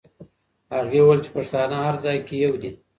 هغې وویل چې پښتانه هر ځای کې یو دي.